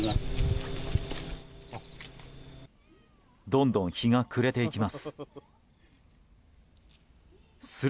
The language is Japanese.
どんどん日が暮れていきます。